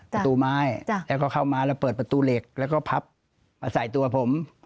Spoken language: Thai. ประตูไม้แล้วก็เข้ามาแล้วเปิดประตูเหล็กแล้วก็พับมาใส่ตัวผม